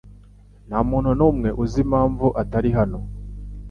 Ntamuntu numwe uzi impamvu atari hano.